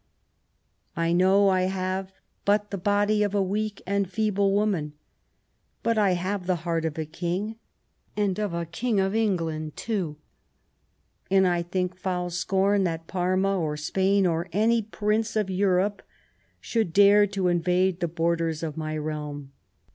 I know I have but the body of a weak and feeble woman ; but I have the heart of a King, and of a King of England, too ; and think foul scorn that Parma or Spain, or any prince of Europe, should dare to invade the borders of my realm.